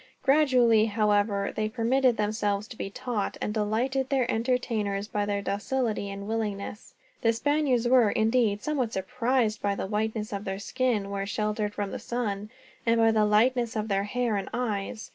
Gradually, however, they permitted themselves to be taught, and delighted their entertainers by their docility and willingness. The Spaniards were, indeed, somewhat surprised by the whiteness of their skin, where sheltered from the sun; and by the lightness of their hair and eyes.